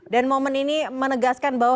dan momen ini menegaskan bahwa